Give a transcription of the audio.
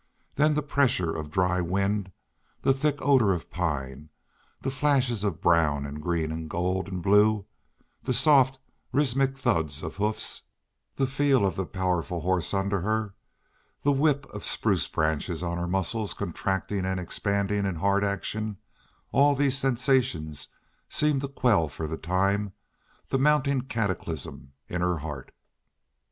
Then the pressure of dry wind, the thick odor of pine, the flashes of brown and green and gold and blue, the soft, rhythmic thuds of hoofs, the feel of the powerful horse under her, the whip of spruce branches on her muscles contracting and expanding in hard action all these sensations seemed to quell for the time the mounting cataclysm in her heart.